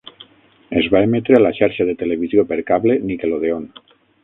Es va emetre a la xarxa de televisió per cable Nickelodeon.